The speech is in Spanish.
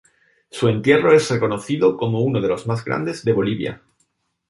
Su entierro es reconocido como uno de los más grandes de Bolivia.